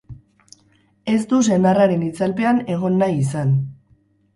Ez du senarraren itzalpean egon nahi izan.